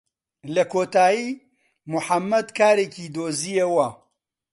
لە کۆتایی موحەممەد کارێکی دۆزییەوە.